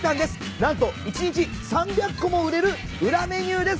何と一日３００個も売れる裏メニューです。